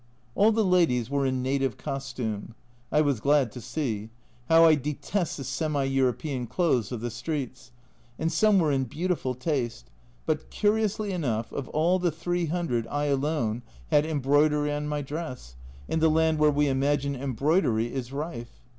All the ladies were in native costume, I was glad to see (how I detest the semi European clothes of the streets !), and some were in beautiful taste, but, curiously enough, of all the 300 I alone had em broidery on my dress, in the land where we imagine embroidery is rife